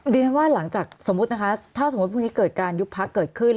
ดิฉันว่าหลังจากสมมุตินะคะถ้าสมมุติพรุ่งนี้เกิดการยุบพักเกิดขึ้น